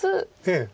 ええ。